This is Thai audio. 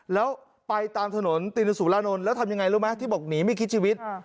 แล้วไปตามถนนตินสุรานนท์แล้วทำยังไงรู้ไหมที่บอกหนีไม่คิดชีวิต